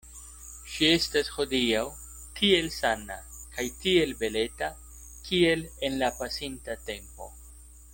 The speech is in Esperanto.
Ŝi estas hodiaŭ tiel sana kaj tiel beleta, kiel en la pasinta tempo.